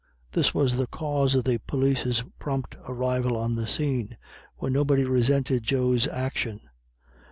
This was the cause of the police's prompt arrival on the scene, where nobody resented Joe's action.